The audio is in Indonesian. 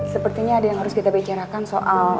sepertinya ada yang harus kita bicarakan soal